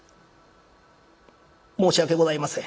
「申し訳ございません」。